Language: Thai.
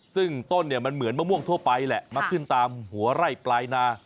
ซึ่งต้นเนี่ยมันเหมือนมะม่วงทั่วไปแหละมาขึ้นตามหัวไร่ปลายนา